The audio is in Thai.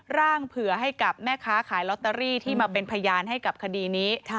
เผื่อให้กับแม่ค้าขายลอตเตอรี่ที่มาเป็นพยานให้กับคดีนี้